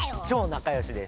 そうだよ！